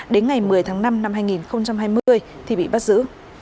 đến ngày một mươi tháng năm năm hai nghìn hai mươi thì bị bắt giữ